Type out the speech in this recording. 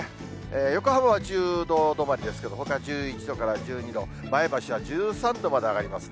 横浜は１０度止まりですけれども、ほかは１１度から１２度、前橋は１３度まで上がりますね。